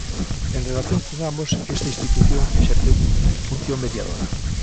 En relación con ambos, esta institución exerceu función mediadora.